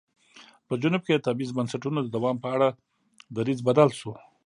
په جنوب کې د تبعیض بنسټونو د دوام په اړه دریځ بدل شو.